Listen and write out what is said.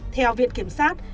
theo viện kiểm sát